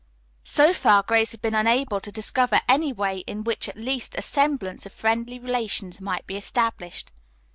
So far Grace had been unable to discover any way in which at least a semblance of friendly relations might be established.